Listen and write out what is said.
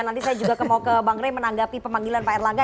nanti saya juga mau ke bang ray menanggapi pemanggilan pak erlangga